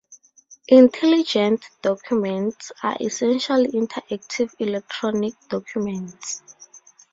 Intelligent documents are essentially interactive electronic documents.